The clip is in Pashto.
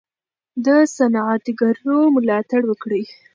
د صنعتګرو ملاتړ وکړئ.